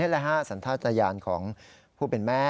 แหละฮะสัญชาติยานของผู้เป็นแม่